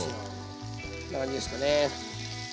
こんな感じですかね。